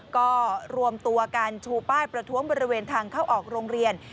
ก็รวมตัวกันชูป้ายประท้วงบริเวณทางเข้าออกโรงเรียน